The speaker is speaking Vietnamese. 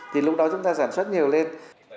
thì lúc đó chúng ta sản xuất nhiều lên